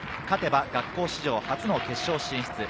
勝てば学校史上初の決勝進出。